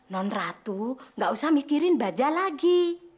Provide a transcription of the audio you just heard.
non ratu gak usah mikirin baja lagi